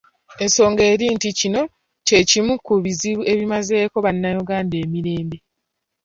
Ensonga eri nti kino kye kimu ku bizibu ebimazeeko bannayuganda emirembe